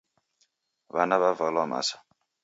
W'ana w'avalwa masa.